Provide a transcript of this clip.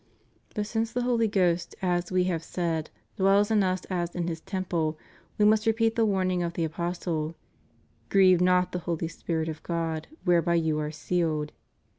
But since the Holy Ghost, as We have said, dwells in us as in His temple, We must repeat the warning of the Apostle: Grieve not the Holy Spirit of God, whereby you are sealed.